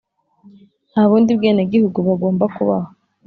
nta bundi bwenegihugu bagomba kubaha